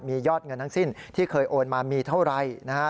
มียอดเงินทั้งสิ้นที่เคยโอนมามีเท่าไรนะฮะ